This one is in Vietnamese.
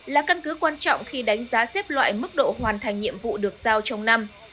là căn cứ quan trọng khi đánh giá xếp loại mức độ hoàn thành nhiệm vụ được giao trong năm